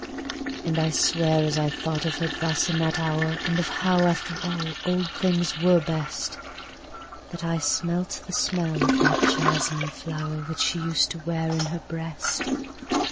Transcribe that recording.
And I swear, as I thought of her thus, in that hour, And of how, after all, old things were best, That I smelt the smell of that jasmine flowerWhich she used to wear in her breast.